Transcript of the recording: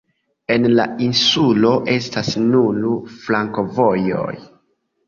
En la insulo estas nur flankovojoj.